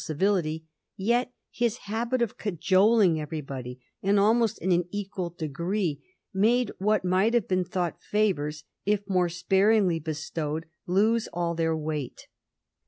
civility, yet his habit of cajoling everybody, and almost in an equal degree, made what might have been thought favors, if more sparingly bestowed, lose all their weight.